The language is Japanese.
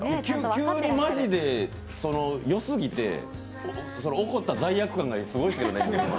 急にマジで良すぎて怒った罪悪感すごいですけどね。